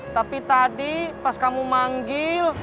tapi tadi pas kamu manggil